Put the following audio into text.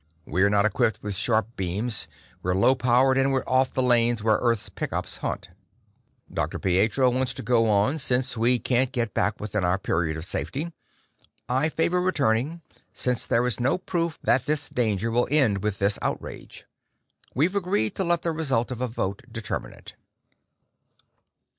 We're not equipped with sharp beams, we're low powered, and we're off the lanes where Earth's pick ups hunt. Dr. Pietro wants to go on, since we can't get back within our period of safety; I favor returning, since there is no proof that this danger will end with this outrage. We've agreed to let the result of a vote determine it."